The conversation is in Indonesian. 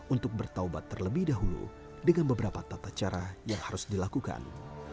untuk bertaubat terlebih dahulu dengan beberapa tata cara yang harus dilakukan